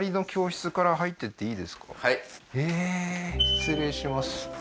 失礼します